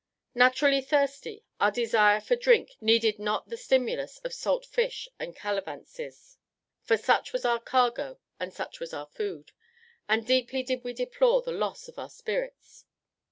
Naturally thirsty, our desire for drink needed not the stimulus of salt fish and calavances, for such was our cargo and such was our food, and deeply did we deplore the loss of our spirits.